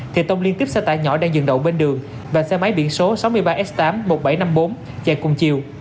thì tông liên tiếp xe tải nhỏ đang dừng đậu bên đường và xe máy biển số sáu mươi ba s tám một nghìn bảy trăm năm mươi bốn chạy cùng chiều